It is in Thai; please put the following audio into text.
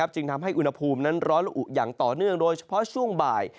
จึงทำให้อุณหภูมินั้นร้อนละอุอย่างต่อเนื่องโดยเฉพาะช่วงบ่าย